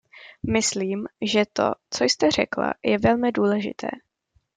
Myslím, že to, co jste řekla, je velmi důležité.